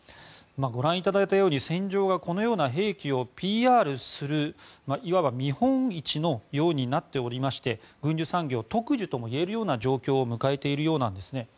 ご覧いただいたように戦場がこのような兵器をＰＲするいわば見本市のようになっておりまして軍需産業特需ともいわれるような状況を迎えているようなんですね。